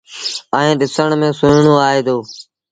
ائيٚݩ ڏسڻ ميݩ سُوئيڻون آئي دو۔